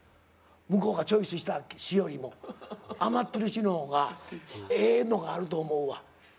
向こうがチョイスした詞よりも余ってる詞のほうがええのがあると思うわ。